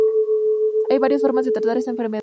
Hay varias formas de tratar esta enfermedad.